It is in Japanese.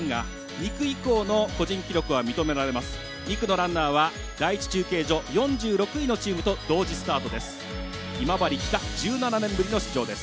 ２区のランナーは第１中継所４６位のチームと同時スタートです。